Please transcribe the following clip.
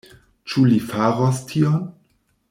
Ĉu li faros tion?